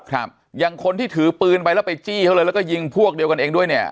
ครับอย่างคนที่ถือปืนไปแล้วไปจี้เขาเลยแล้วก็ยิงพวกเดียวกันเองด้วยเนี่ย